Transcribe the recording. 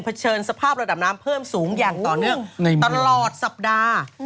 เผชิญสภาพระดับน้ำเพิ่มสูงอย่างต่อเนื่องในเมื่อตลอดสัปดาห์อืม